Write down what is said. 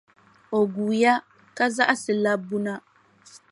O guuya ka zaɣisi labbu na.